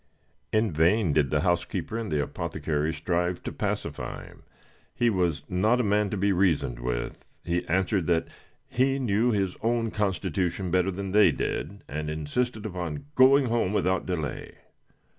In vain did the housekeeper and the apothecary strive to pacify him he was not a man to be reasoned with; he answered that he knew his own constitution better than they did, and insisted upon going home without delay.